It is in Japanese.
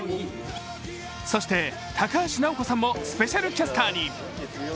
そして、高橋尚子さんもスペシャルキャスターに。